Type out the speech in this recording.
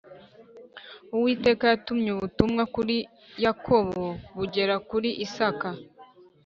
Uwiteka yatumye ubutumwa kuri Yakobo bugera kuri isaka